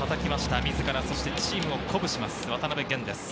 自ら、そしてチームを鼓舞します、渡辺弦です。